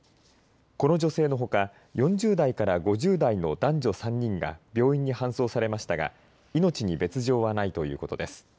この女性のほか４０代から５０代の男女３人が病院に搬送されましたが命に別状はないということです。